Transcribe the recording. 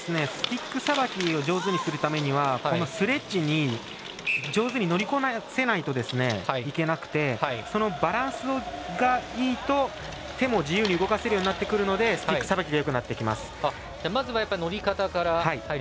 スティックさばきを上手にするためにはスレッジに上手に乗りこなせないといけなくてそのバランスがいいと手も自由に動かせるようになってくるのでスティックさばきがよくなってきます。